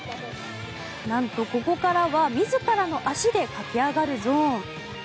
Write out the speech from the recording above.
なんと、ここからは自らの足で駆け上がるゾーン。